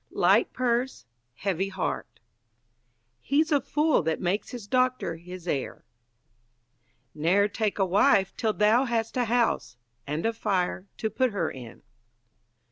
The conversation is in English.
Light purse, heavy heart. He's a fool that makes his doctor his heir. Ne'er take a wife till thou hast a house (and a fire) to put her in.